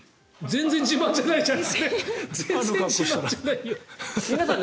全然自慢じゃないじゃん。